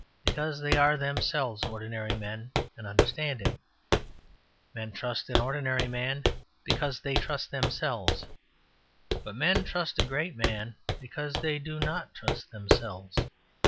because they are themselves ordinary men and understand him. Men trust an ordinary man because they trust themselves. But men trust a great man because they do not trust themselves.